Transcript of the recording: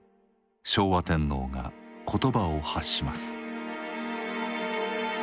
昭和天皇が言葉を発します。